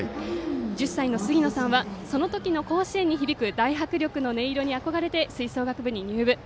１０歳のすぎのさんはその時の甲子園に響く大迫力の音色に憧れて、吹奏楽部に入部。